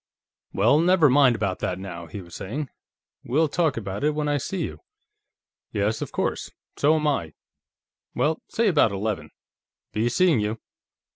"Well, never mind about that, now," he was saying. "We'll talk about it when I see you.... Yes, of course; so am I.... Well, say about eleven.... Be seeing you."